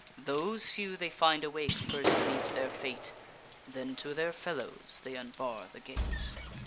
Those few they find awake first meet their fate; Then to their fellows they unbar the gate.